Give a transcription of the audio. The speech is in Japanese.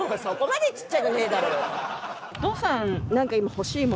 そこまでちっちゃくねえだろ。